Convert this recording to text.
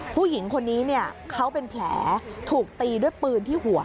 ผู้หญิงคนนี้เขาเป็นแผลถูกตีด้วยปืนที่หัว